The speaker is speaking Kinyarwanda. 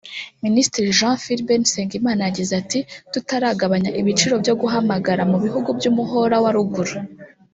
Minisitiri Jean Philbert Nsengimana yagize ati “Tutaragabanya ibiciro byo guhamagara mu bihugu by’umuhora wa ruguru